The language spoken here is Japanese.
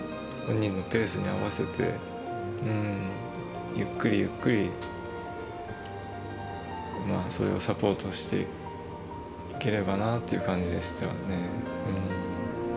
本人のペースに合わせて、ゆっくりゆっくり、それをサポートしていければなという感じですよね。